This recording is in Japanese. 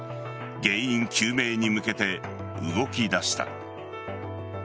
原因究明に向けて動き出した。